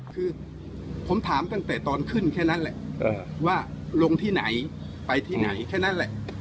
คือผมถามตั้งแต่ตอนขึ้นแค่นั้นแหละว่าลงที่ไหนไปที่ไหนแค่นั้นแหละ